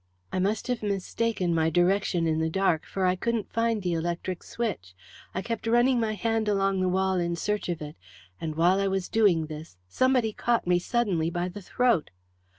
"I must have mistaken my direction in the dark, for I couldn't find the electric switch. I kept running my hand along the wall in search of it, and while I was doing this, somebody caught me suddenly by the throat.